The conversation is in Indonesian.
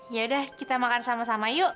ya udah kita makan sama sama yuk